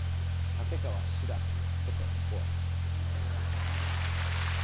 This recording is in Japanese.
立川シラフこと好楽です。